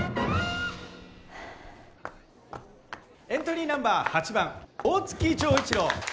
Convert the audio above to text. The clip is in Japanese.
エントリーナンバー８番大月錠一郎。